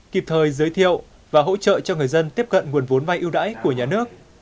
kịp thời giới thiệu và hỗ trợ cho người dân tiếp cận nguồn vốn vai ưu đãi của nhà nước